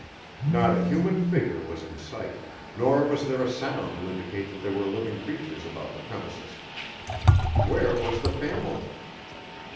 Not a human figure was in sight, nor was there a sound to indicate that there were living creatures about the premises. Where was the family?